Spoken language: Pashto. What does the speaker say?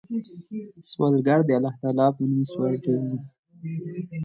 سوالګر د الله په نوم سوال کوي